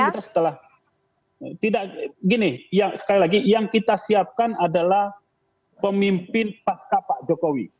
bahkan kita setelah gini sekali lagi yang kita siapkan adalah pemimpin pak jokowi